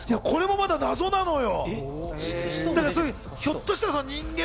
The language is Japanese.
これも謎なのよ。